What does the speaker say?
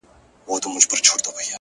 د زاړه کور درزونه د وخت نښې دي.